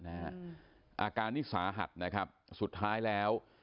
อาการนี้สาหัสนะครับสุดท้ายแล้ว